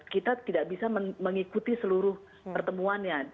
kita tidak bisa mengikuti seluruh pertemuannya